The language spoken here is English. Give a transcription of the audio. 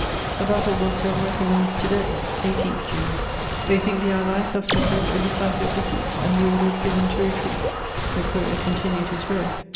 The battle was to have recommenced to day (18 June). They think the Allies have suffered a decisive defeat, and the order is given to retreat." The courier continued his road.